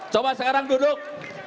coba sekarang duduk